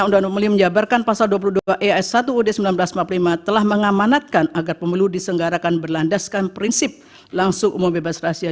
uud seribu sembilan ratus empat puluh lima telah mengamanatkan agar pemilu disenggarakan berlandaskan prinsip langsung umum bebas rahasia